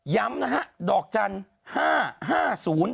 ย้ำนะฮะดอกจัน๕๕๐๔โทรออกฟรี